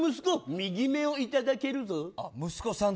右目をいただけるぞ！